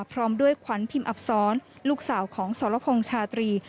พร้อมด้วยขวัญพิมพ์อักษรลูกสาวของสรพงษ์ชาตรี